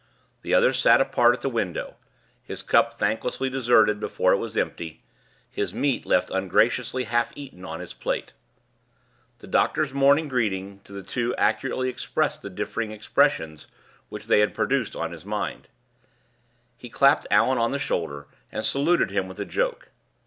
The other sat apart at the window; his cup thanklessly deserted before it was empty, his meat left ungraciously half eaten on his plate. The doctor's morning greeting to the two accurately expressed the differing impressions which they had produced on his mind. He clapped Allan on the shoulder, and saluted him with a joke.